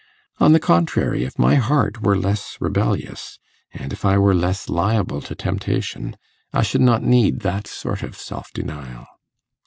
On the contrary, if my heart were less rebellious, and if I were less liable to temptation, I should not need that sort of self denial.